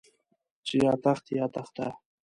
چې يا تخت يا تخته.